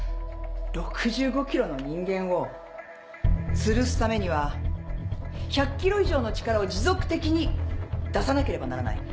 ６５ｋｇの人間をつるすためには１００ｋｇ以上の力を持続的に出さなければならない。